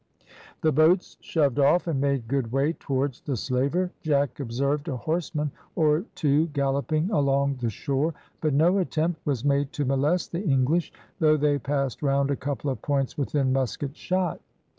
The boats shoved off and made good way towards the slaver. Jack observed a horseman or two galloping along the shore, but no attempt was made to molest the English, though they passed round a couple of points within musket shot.